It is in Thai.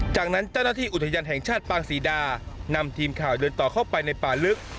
จากนั้นเจ้าหน้าที่อุทยานแห่งชาติปางศรีดานำทีมข่าวเดินต่อเข้าไปในป่าลึก